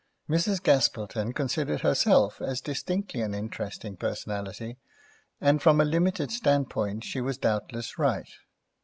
Mrs. Gaspilton considered herself as distinctly an interesting personality, and from a limited standpoint she was doubtless right.